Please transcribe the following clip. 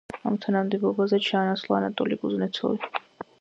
ამ თანამდებობაზე ჩაანაცვლა ანატოლი კუზნეცოვი.